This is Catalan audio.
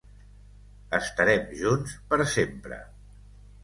Estarem junts per sempre.